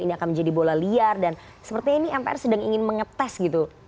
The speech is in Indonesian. ini akan menjadi bola liar dan sepertinya ini mpr sedang ingin mengetes gitu